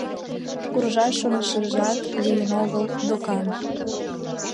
Куржаш шонышыжат лийын огыл докан.